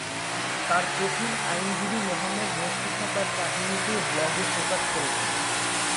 তার প্রথম আইনজীবী মোহাম্মদ মোস্তফা তার কাহিনীকে ব্লগে প্রকাশ করেছেন।